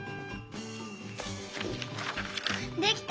できた！